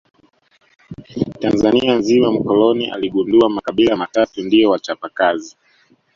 Tanzania nzima mkoloni aligundua makabila matatu ndio wachapa kazi